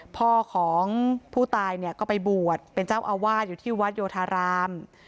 พ่อของผู้ตายเนี่ยก็ไปบวชเป็นเจ้าอาวาสอยู่ที่วัดโยธาราม